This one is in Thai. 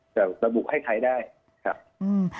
จะระบุให้ใช้ได้ครับ